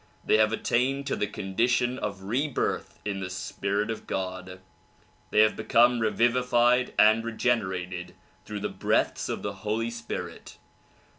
They have attained to the condition of rebirth in the spirit of God. They have become revivified and regenerated through the breaths of the Holy Spirit.